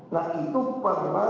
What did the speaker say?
nah itu pertama